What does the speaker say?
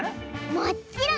もっちろん！